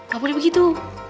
gak boleh begitu